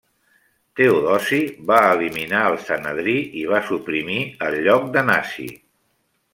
Teodosi va eliminar el Sanedrí i va suprimir el lloc de Nasi.